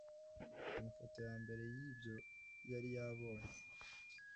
amafoto ya mbere y'ibyo yari yabonye